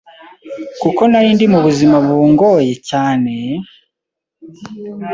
kuko narindi mu buzima bungoye cyane,